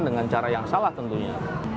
dengan cara yang salah tentunya